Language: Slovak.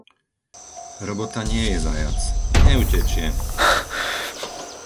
Robota nie je zajac, neutečie.